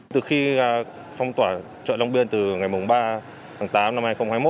từ khi phong tỏa chợ long biên từ ngày ba tháng tám năm hai nghìn hai mươi một